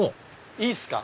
いいっすか？